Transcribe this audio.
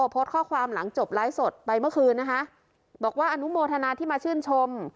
โพสต์ข้อความหลังจบไลฟ์สดไปเมื่อคืนนะคะบอกว่าอนุโมทนาที่มาชื่นชม